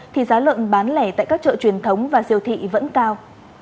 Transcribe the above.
thì giá lợn bán lẻ tại các chợ truyền thống và siêu thị vẫn cao